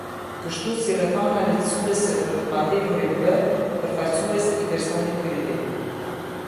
Kështu si rrethana lehtësuese për të pandehurin B përfaqësues i personit juridik.